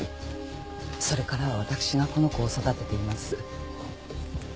それからは私がこの子を育てています。